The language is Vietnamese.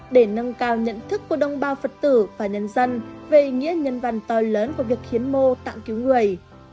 để nâng cao nhận thức của đông bao phật tử và nhân dân về ý nghĩa nhân văn to lớn của việc hiến mô tạng cứu người